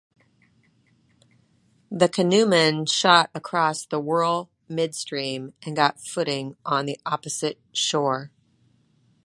The canoemen shot across the whirl midstream and got footing on the opposite shore.